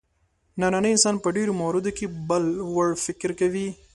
نننی انسان په ډېرو موردونو کې بل وړ فکر کوي.